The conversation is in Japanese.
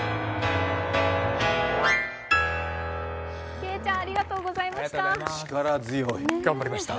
けいちゃん、ありがとうございました。